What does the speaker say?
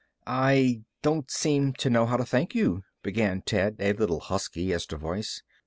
"I don't seem to know how to thank you," began Ted, a little husky as to voice.